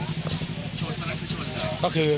ชนตอนนั้นคือชน